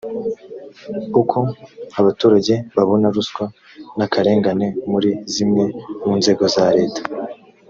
uko abaturage babona ruswa n akarengane muri zimwe mu nzego za leta